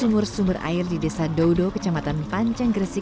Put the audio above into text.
pengembangan empat sumur sumur air di desa doudo kecamatan panjang gresik